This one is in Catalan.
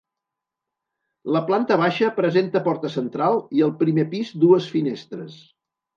La planta baixa presenta porta central i el primer pis dues finestres.